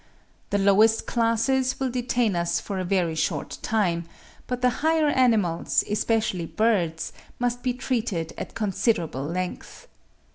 The lowest classes will detain us for a very short time, but the higher animals, especially birds, must be treated at considerable length.